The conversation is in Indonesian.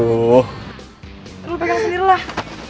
lo pegang sendirilah